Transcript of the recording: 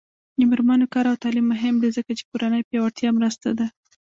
د میرمنو کار او تعلیم مهم دی ځکه چې کورنۍ پیاوړتیا مرسته ده.